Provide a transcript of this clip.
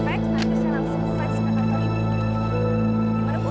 nanti saya langsung fax ke wartor ibu